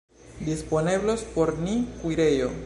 Disponeblos por ni kuirejo.